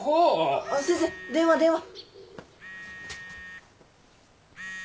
先生電話電話。